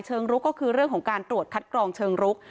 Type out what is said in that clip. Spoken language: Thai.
ลุกก็คือเรื่องของการตรวจคัดกรองเชิงรุก